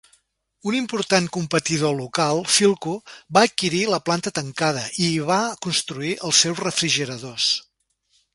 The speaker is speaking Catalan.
Un important competidor local, Philco, va adquirir la planta tancada i hi va construir els seus refrigeradors.